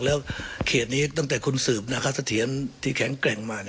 ตัวเองตั้งแต่คุณสืบนาคัศเถียรที่แข็งแกร่งมา